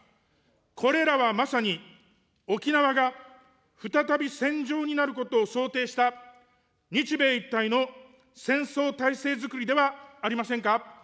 これらはまさに、沖縄が再び戦場になることを想定した日米一体の戦争態勢づくりではありませんか。